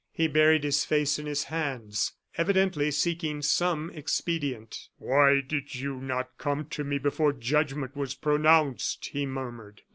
He buried his face in his hands, evidently seeking some expedient. "Why did you not come to me before judgment was pronounced?" he murmured.